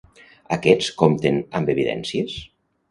Aquests compten amb evidències?